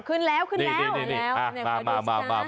ขึ้นแล้วขึ้นแล้ว